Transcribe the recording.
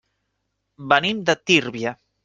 Venim de Tírvia.